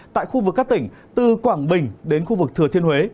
tại khu vực các tỉnh từ quảng bình đến khu vực thừa thiên huế